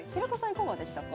いかがでしたか？